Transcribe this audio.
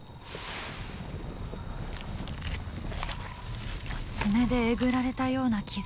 爪でえぐられたような傷痕。